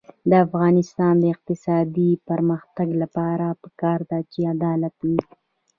د افغانستان د اقتصادي پرمختګ لپاره پکار ده چې عدالت وي.